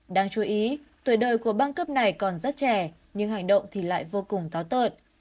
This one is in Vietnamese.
đáng chú ý tuổi đời của băng cấp này còn rất trẻ nhưng hành động thì lại vô cùng táo tợn